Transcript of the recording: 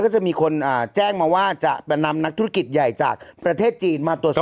จะมีคนแจ้งมาว่าจะนำนักธุรกิจใหญ่จากประเทศจีนมาตรวจสอบ